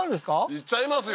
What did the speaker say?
いっちゃいますよ